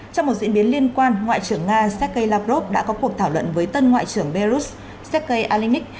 trong một diễn biến liên quan ngoại trưởng nga sergei lavrov đã có cuộc thảo luận với tân ngoại trưởng belarus sergei alinic